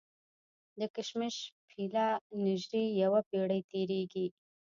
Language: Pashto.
د کشمش پیله نژدې یوه پېړۍ تېرېږي.